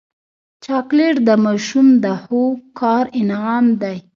چاکلېټ د ماشوم د ښو کار انعام دی.